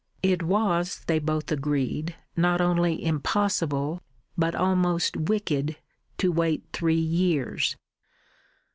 It was, they both agreed, not only impossible but almost wicked, to wait three years.